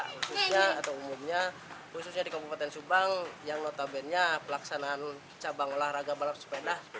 khususnya atau umumnya khususnya di kabupaten subang yang notabene pelaksanaan cabang olahraga balap sepeda